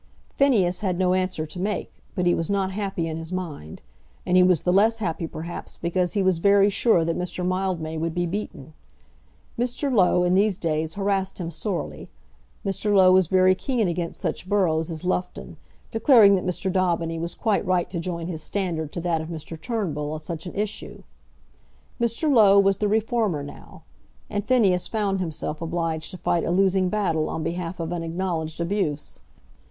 Phineas had no answer to make, but he was not happy in his mind. And he was the less happy, perhaps, because he was very sure that Mr. Mildmay would be beaten. Mr. Low in these days harassed him sorely. Mr. Low was very keen against such boroughs as Loughton, declaring that Mr. Daubeny was quite right to join his standard to that of Mr. Turnbull on such an issue. Mr. Low was the reformer now, and Phineas found himself obliged to fight a losing battle on behalf of an acknowledged abuse.